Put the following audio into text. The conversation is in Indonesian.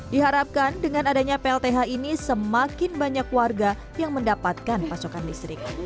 diharapkan dengan adanya plth ini semakin banyak warga yang mendapatkan pasokan listrik